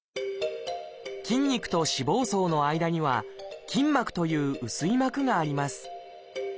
筋肉と脂肪層の間には「筋膜」という薄い膜があります。